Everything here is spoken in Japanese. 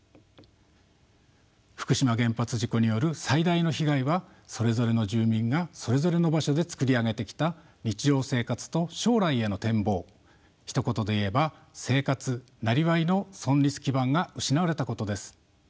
福島原発事故による最大の被害はそれぞれの住民がそれぞれの場所でつくり上げてきた日常生活と将来への展望ひと言で言えば生活・なりわいの存立基盤が失われたことです。